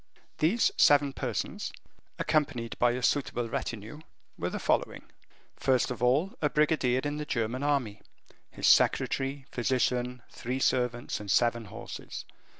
These seven persons, accompanied by a suitable retinue, were the following: First of all, a brigadier in the German army, his secretary, physician, three servants, and seven horses.